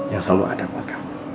yang selalu ada buat kamu